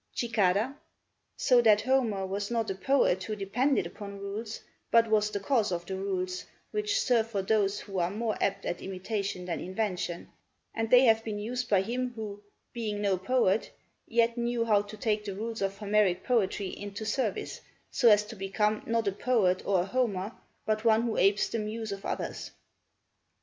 Cicada So that Homer was not a poet who depended upon rules, but was the cause of the rules which serve for those who are more apt at imitation than invention, and they have been used by him who, being no poet, yet knew how to take the rules of Homeric poetry into service, so as to become, not a poet or a Homer, but one who apes the Muse of others?